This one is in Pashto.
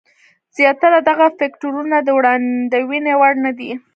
زیاتره دغه فکټورونه د وړاندوینې وړ نه دي.